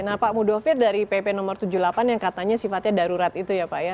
nah pak mudofir dari pp no tujuh puluh delapan yang katanya sifatnya darurat itu ya pak ya